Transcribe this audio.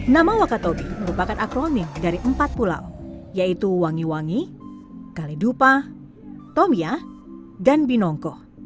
nama wakatobi merupakan akronim dari empat pulau yaitu wangi wangi kalidupa tomia dan binongko